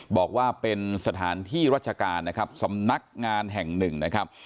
บอกว่าเป็นสถานที่ราชการนะครับสำนักงานแห่งหนึ่งนะครับ